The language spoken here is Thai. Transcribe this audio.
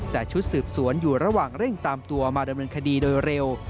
แต่ชุดสืบสวนอยู่ระหว่างเร่งตามตัวมาดำเนินคดีโดยเร็ว